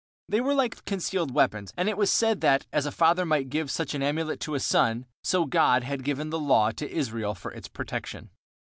They were like concealed weapons, and it was said that, as a father might give such an amulet to a son, so God had given the Law to Israel for its protection.